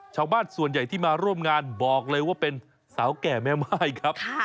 ชาวบ้านส่วนใหญ่ที่มาร่วมงานบอกเลยว่าเป็นสาวแก่แม่ม่ายครับ